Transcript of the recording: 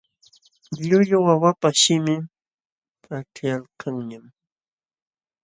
Llullu wawapa shimin paćhyaykanñam.